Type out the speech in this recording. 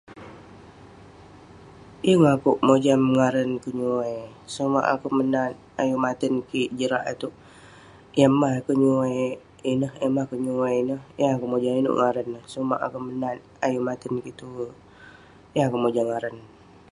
Yeng akouk mojam ngaran kenyuai, sumak akouk menat ayuk maten kik rak itouk.. yah mah kenyuai ineh yah mah kenyuai ineh..yeng akouk mojam inouk ngaran neh..sumak akouk menat ayuk maten kik tuwerk...yeng akouk mojam ngaran neh..